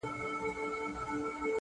مثبت فکر خوښي پیدا کوي.